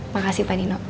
makasih pak nino